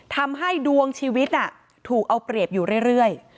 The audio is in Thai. ทำให้ดวงชีวิตถูกเอาเปรียบอยู่เรื่อย